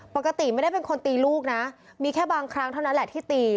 ปกติไม่ได้เป็นคนตีลูกนะมีแค่บางครั้งเท่านั้นแหละที่ตี